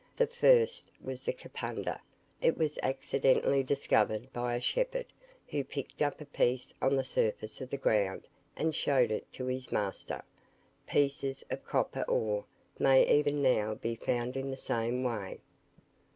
The first was the Kapunda. It was accidentally discovered by a shepherd, who picked up a piece on the surface of the ground, and showed it to his master. Pieces of copper ore may even now be found in the same way.